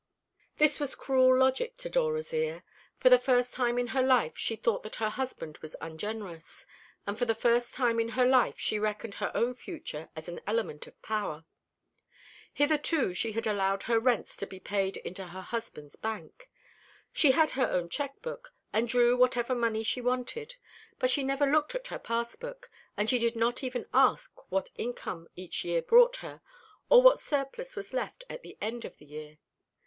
This was cruel logic to Dora's ear. For the first time in her life she thought that her husband was ungenerous; and for the first time in her life she reckoned her own fortune as an element of power. Hitherto she had allowed her rents to be paid into her husband's bank. She had her own cheque book, and drew whatever money she wanted; but she never looked at her pass book, and she did not even ask what income each year brought her, or what surplus was left at the end of the year.